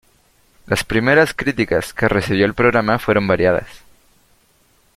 Las primeras críticas que recibió el programa fueron variadas.